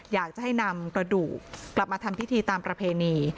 อยากจะให้นำกระดูกกลับมาทำพิธีตามประเพณี